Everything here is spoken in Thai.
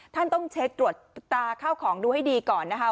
ต้องเช็คตรวจตาเข้าของดูให้ดีก่อนนะคะ